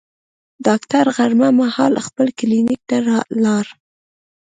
ډاکټر غرمه مهال خپل کلینیک ته لاړ.